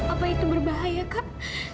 apa itu berbahaya kak